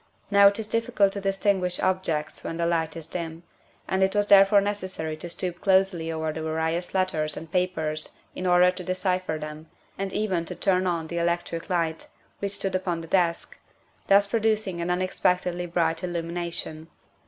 Now it is difficult to distinguish objects when the light is dim, and it was therefore necessary to stoop closely over the various let ters and papers hi order to decipher them, and even to turn on the electric light, which stood upon the desk, thus producing an unexpectedly bright illumination.